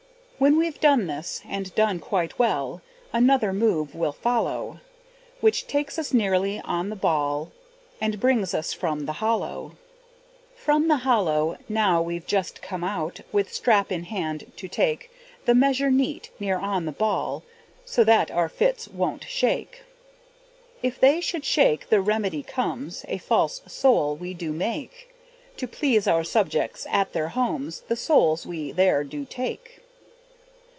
When we've done this, and done quite well, Another move will follow, Which takes us nearly on the ball, And brings us from the hollow. From the hollow now we've just come out, With strap in hand to take The measure neat, near on the ball, So that our fits won't shake. If they should shake the remedy comes, A false sole we do make, To please our subjects at their homes The soles we there do take.